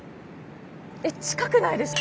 え近くないですか？